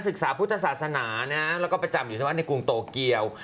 ศึกษาพุทธศาสนานะแล้วก็ประจำอยู่ที่วัดในกรุงโตเกียว